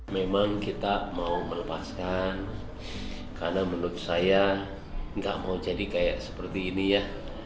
memang kita mau melepaskan karena menurut saya nggak mau jadi kayak seperti ini ya